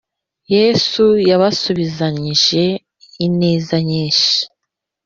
yesu yabasubizanyije ineza nyinshi